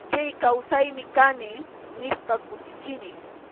Chay kawsaymi kani, nispa kutichini.